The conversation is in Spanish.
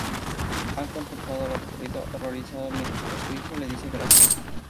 Han contempla lo ocurrido horrorizado, mientras que su hijo le dice "Gracias".